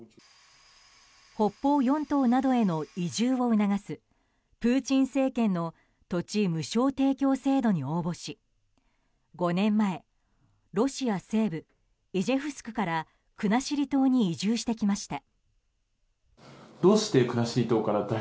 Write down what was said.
北方四島などへの移住を促すプーチン政権の土地無償提供制度に応募し５年前ロシア西部イジェフスクから国後島に移住してきました。